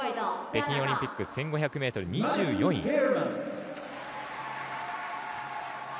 北京オリンピック１５００ｍ２４位。